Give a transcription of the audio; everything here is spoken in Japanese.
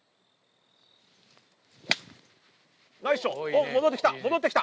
おっ戻ってきた。